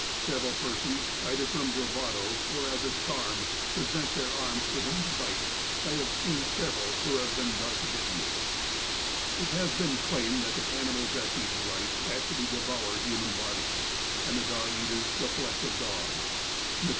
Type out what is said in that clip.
Several persons, either from bravado, or as a charm, present their arms for him to bite. I have seen several who have been thus bitten." It Las been claimed that the cauuibals at these rites actually devoured human bodies, and the dog eaters the flesh of dogs. Mr.